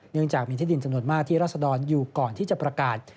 เนื่องจากมีที่ดินจำนวนมากที่ราศดรอยู่ก่อนที่จะประกาศ